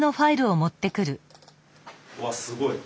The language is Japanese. うわすごい。